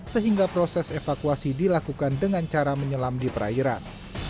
sehingga proses evakuasi dilakukan dengan cara menyelam di perairan